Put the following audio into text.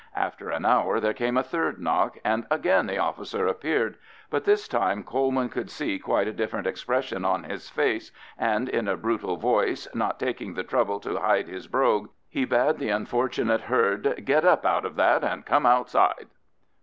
After an hour there came a third knock, and again the officer appeared; but this time Coleman could see quite a different expression on his face, and in a brutal voice, not taking the trouble to hide his brogue, he bade the unfortunate herd "get up out of that and come outside."